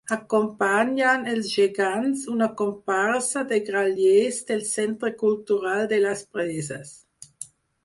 Acompanyen els Gegants una comparsa de grallers del Centre Cultural de Les Preses.